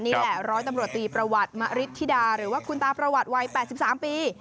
นี่แหละร้อยตำรวจตีประวัติมริธิดาหรือว่าคุณตาประวัติวัย๘๓ปี